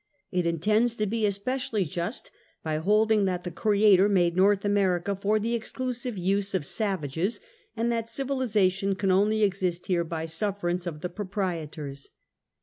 It intends to be especially just, by holding that the Creator made l^orth America for the exclusive use of savages, and that civilization can only exist here by sufferance of the proprietors.